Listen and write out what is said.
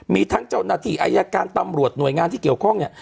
มีทั้งเจ้าหน้าที่อายการตำรวจหน่วยงานที่เกี่ยวข้องเนี่ย